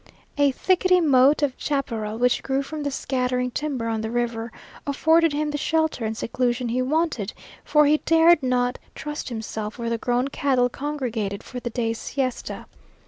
A thickety motte of chaparral which grew back from the scattering timber on the river afforded him the shelter and seclusion he wanted, for he dared not trust himself where the grown cattle congregated for the day's siesta.